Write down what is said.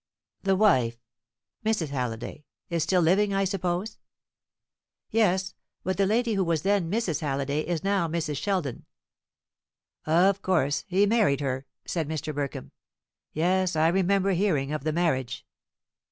The wife Mrs. Halliday is still living, I suppose?" "Yes; but the lady who was then Mrs. Halliday is now Mrs. Sheldon." "Of course; he married her," said Mr. Burkham. "Yes; I remember hearing of the marriage."